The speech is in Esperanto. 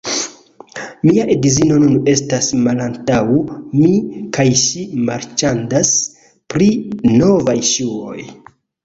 Mia edzino nun estas malantaŭ mi kaj ŝi marĉandas pri novaj ŝuoj